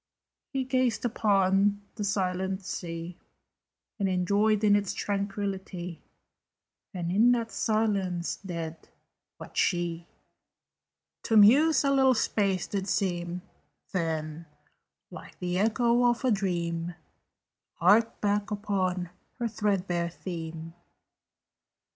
He gazed upon the sleeping sea, And joyed in its tranquillity, And in that silence dead, but she To muse a little space did seem, Then, like the echo of a dream, Harped back upon her threadbare theme.